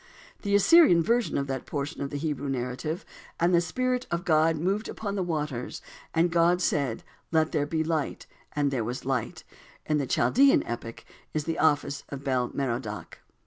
The Assyrian version of that portion of the Hebrew narrative: "And the Spirit of God moved upon the waters, and God said, 'Let there be light,' and there was light," in the Chaldean epic is the office of Bel Merodach.